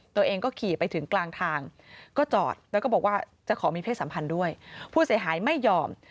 ตัวเองก็ขี่ไปถึงกลางทางก็จอดแล้วก็บอกว่าจะขอมีเพศสัมพันธ์ด้วยผู้เสียหายไม่ยอม